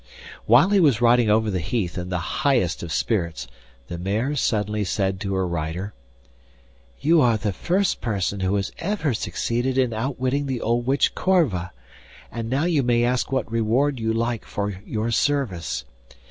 While he was riding over the heath in the highest of spirits the mare suddenly said to her rider: 'You are the first person who has ever succeeded in outwitting the old witch Corva, and now you may ask what reward you like for your service.